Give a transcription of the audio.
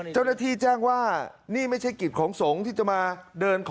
เจ้าหน้าที่แจ้งว่านี่ไม่ใช่กิจของสงฆ์ที่จะมาเดินขอ